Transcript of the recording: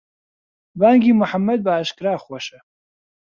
بانگی موحەممەد بەئاشکرا خۆشە.